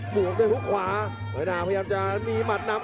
ปลูกด้วยฮุกขวาหน่วยนาพยายามจะมีหมัดนำ